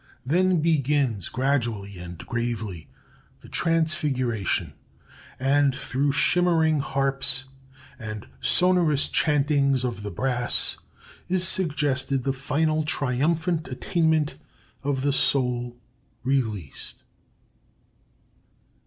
Then begins, gradually and gravely, the Transfiguration; and through shimmering harps and sonorous chantings of the brass is suggested the final triumphant attainment of the soul released.